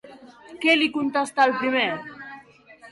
Què li contesta el primer?